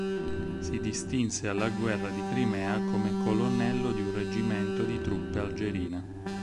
Si distinse alla guerra di Crimea come colonnello di un reggimento di truppe algerine.